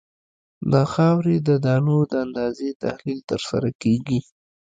د خاورې د دانو د اندازې تحلیل ترسره کیږي